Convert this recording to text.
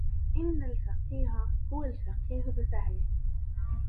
إن الفقيه هو الفقيه بفعله